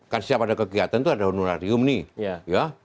kan siapa ada kegiatan itu ada honorarium nih